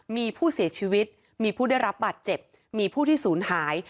มีผู้เสียชีวิตมีผู้ได้รับบาดเจ็บมีผู้ที่ศูนย์หาย